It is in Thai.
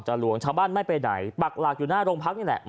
หลวงชาวบ้านไม่ไปไหนปักหลักอยู่หน้าโรงพักนี่แหละ